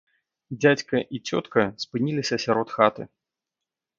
Дзядзька і цётка спыніліся сярод хаты.